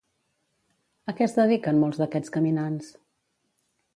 A què es dediquen molts d'aquests caminants?